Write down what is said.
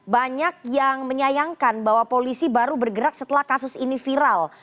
banyak yang menyayangkan bahwa polisi baru bergerak setelah kasus ini viral